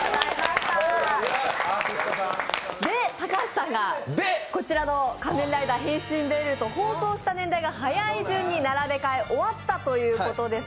で、高橋さんがこちらの仮面ライダー変身ベルトを放送した年代が早い順に並べ替え、終わったということで。